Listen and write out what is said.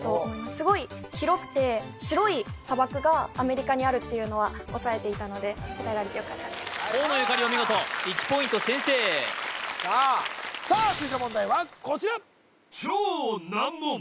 すごい広くて白い砂漠がアメリカにあるっていうのは押さえていたので河野ゆかりお見事１ポイント先制さあさあ続いての問題はこちら